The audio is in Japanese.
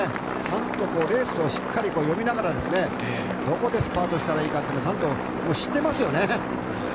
ちゃんとレースをしっかり読みながらどこでスパートすればいいか佐藤、知っていますよね。